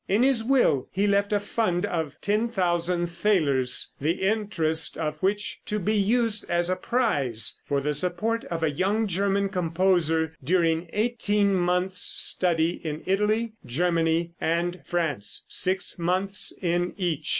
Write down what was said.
In his will he left a fund of 10,000 thalers, the interest of which to be used as a prize for the support of a young German composer during eighteen months' study in Italy, Germany and France, six months in each.